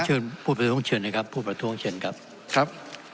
เชิญผู้ประท้วงเชิญนะครับผู้ประท้วงเชิญครับครับ